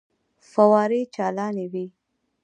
فوارې چالانې وې.